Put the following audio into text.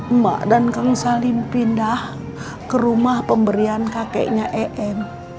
emak dan kang salim pindah ke rumah pemberian kakeknya em